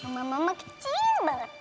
mama mama kecil banget